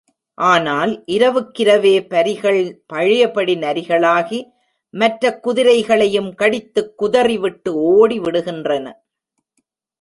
ஆனால் இரவுக்கிரவே பரிகள் பழையபடி நரிகளாகி மற்றக் குதிரைகளையும் கடித்துக்குதறிவிட்டு ஓடிவிடுகின்றன.